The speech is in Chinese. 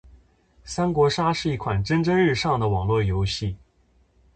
三国杀是一款蒸蒸日上的网络游戏。